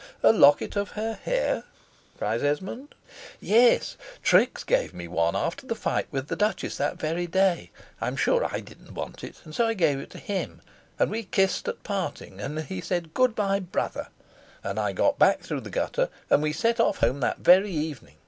"A locket of her hair?" cries Esmond. "Yes. Trix gave me one after the fight with the Duchess that very day. I am sure I didn't want it; and so I gave it him, and we kissed at parting, and said 'Good by, brother.' And I got back through the gutter; and we set off home that very evening.